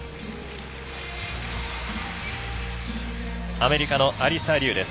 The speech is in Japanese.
アメリカのアリサ・リュウです。